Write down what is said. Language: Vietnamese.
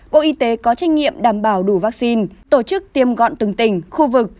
bộ y tế có trách nhiệm đảm bảo đủ vaccine tổ chức tiêm gọn từng tỉnh khu vực